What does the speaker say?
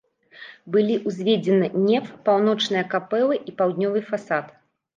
Былі ўзведзены неф, паўночныя капэлы і паўднёвы фасад.